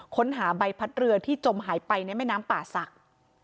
ค้นหาใบพัดเรือที่จมหายไปในแม่น้ำป่าศักดิ์